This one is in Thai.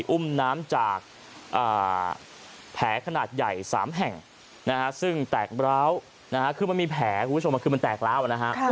อุ้มน้ำจากแผลขนาดใหญ่๓แห่งซึ่งแตกร้าวคือมันมีแผลคุณผู้ชมมันคือมันแตกแล้วนะฮะ